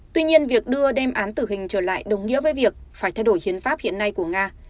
tuy nhiên việc đưa đem án tử hình trở lại đồng nghĩa với việc phải thay đổi hiến pháp hiện nay của nga